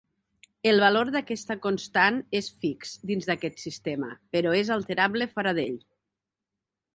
El valor d’aquesta constant és fix dins d’aquest sistema, però és alterable fora d’ell.